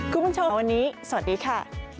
กลุ่มเช่นกันวันนี้สวัสดีค่ะ